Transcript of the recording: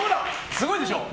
すごいでしょ！